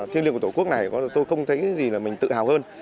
thiêng liêng của tổ quốc này tôi không thấy gì là mình tự hào hơn